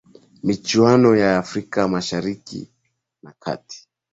michuano ya afrika mashariki na kati